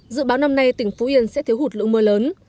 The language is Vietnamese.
dự báo năm nay tỉnh phú yên sẽ thiếu hụt lượng mưa lớn